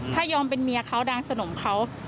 ถ้ายอมเป็นเมียเขาดังสนมเขา